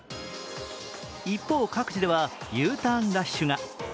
一方、各地ではＵターンラッシュが。